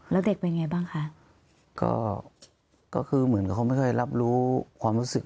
แล้วเด็กเป็นไงบ้างคะก็คือเหมือนกับเขาไม่ค่อยรับรู้ความรู้สึก